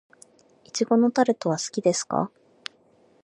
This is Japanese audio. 苺のタルトは好きですか。